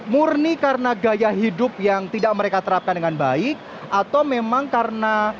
murni karena gaya hidup yang tidak mereka terapkan dengan baik atau memang karena